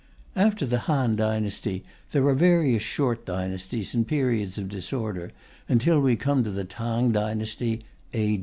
After the Han dynasty there are various short dynasties and periods of disorder, until we come to the Tang dynasty (A.